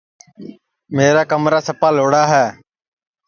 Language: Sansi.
میرا کمرا سپا لھوڑا ہے